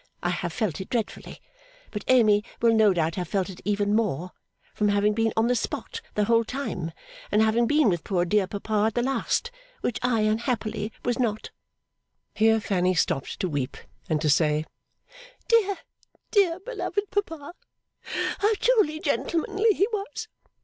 I have felt it dreadfully. But Amy will no doubt have felt it even more, from having been on the spot the whole time, and having been with poor dear papa at the last; which I unhappily was not.' Here Fanny stopped to weep, and to say, 'Dear, dear, beloved papa! How truly gentlemanly he was!